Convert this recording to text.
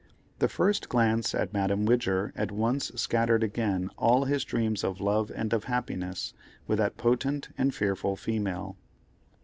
The first glance at Madame Widger at once scattered again all his dreams of love and of happiness with that potent and fearful female.